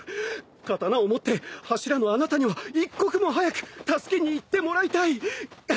刀を持って柱のあなたには一刻も早く助けに行ってもらいたい。